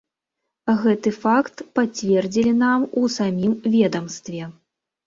Гэты факт пацвердзілі нам у самім ведамстве.